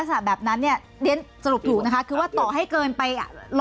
สามารถแบบนั้นเนี่ยคือว่าต่อให้เกินไป๑๐๐